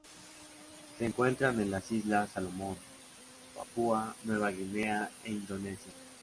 Se encuentran en las Islas Salomón, Papúa Nueva Guinea e Indonesia.